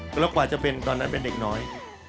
แล้วกว่าจะเป็นตอนนั้นเป็นเด็กน้อย